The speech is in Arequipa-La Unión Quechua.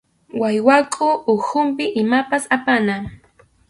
Wallwakʼu ukhupi imapas apana.